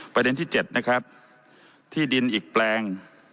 ประเด็นที่๗นะครับที่ดินอีกแปลง